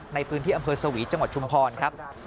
ในพื้นที่อำเภอสวีจังหวัดชุมพรครับ